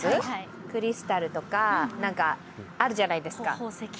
クリスタルとか、なんかあるじゃないですか。